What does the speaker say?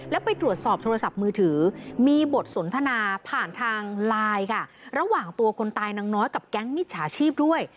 แล้วไปตรวจสอบโทรศัพท์มือถือมีบทสนทนาผ่านทางไลน์ค่ะระหว่างตัวคนตายนางน้อยกับแก๊งมิจฉาชีพด้วย